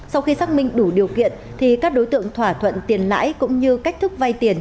sau khi xác minh đủ điều kiện thì các đối tượng thỏa thuận tiền lãi cũng như cách thức vay tiền